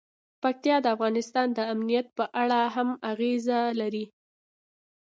پکتیا د افغانستان د امنیت په اړه هم اغېز لري.